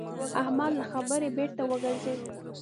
احمد له خبرې بېرته وګرځېد.